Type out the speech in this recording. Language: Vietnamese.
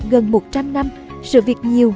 gần một trăm linh năm sự việc nhiều